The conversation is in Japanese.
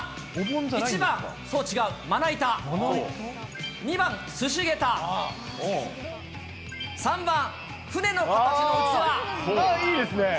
１番、まな板、２番、すしげた、３番、舟の形の器。